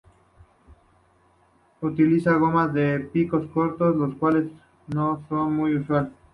Utiliza gomas de picos cortos, lo cual no es muy usual.